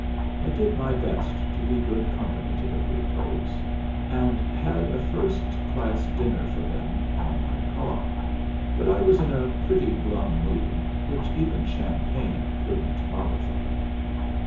I did my best to be good company to the bluecoats, and had a first class dinner for them on my car, but I was in a pretty glum mood, which even champagne couldn't modify.